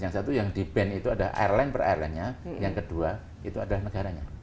yang satu yang di ban itu ada airline perairannya yang kedua itu adalah negaranya